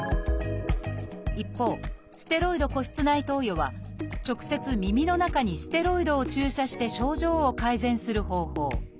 一方ステロイド鼓室内投与は直接耳の中にステロイドを注射して症状を改善する方法。